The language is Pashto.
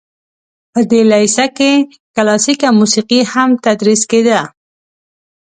په دې لیسه کې کلاسیکه موسیقي هم تدریس کیده.